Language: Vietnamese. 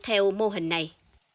theo mô hình này